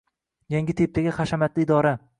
Yangi tipdagi hashamatli idora.